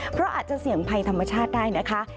เพราะอาจจะเสี่ยงภัยธรรมชาติได้นะคะ